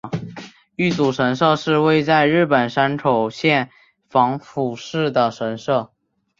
玉祖神社是位在日本山口县防府市的神社。